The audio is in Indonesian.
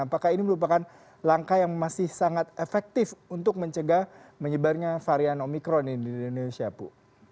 apakah ini merupakan langkah yang masih sangat efektif untuk mencegah menyebarnya varian omikron ini di indonesia bu